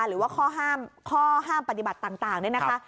หรือว่าข้อห้ามข้อห้ามปฏิบัติต่างด้วยนะฮะ